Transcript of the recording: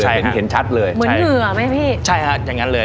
เห็นเห็นชัดเลยเหมือนเหงื่อไหมพี่ใช่ฮะอย่างงั้นเลย